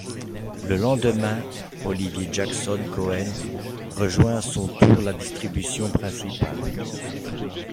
Le lendemain, Oliver Jackson-Cohen rejoint à son tour la distribution principale.